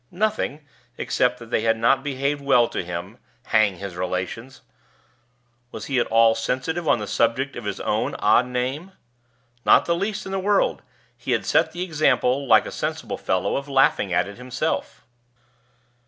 Nothing, except that they had not behaved well to him hang his relations! Was he at all sensitive on the subject of his own odd name? Not the least in the world; he had set the example, like a sensible fellow, of laughing at it himself.